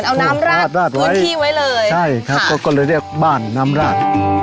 เอาน้ำราดพื้นที่ไว้เลยใช่ครับเขาก็เลยเรียกบ้านน้ำราด